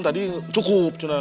tadi cukup cunang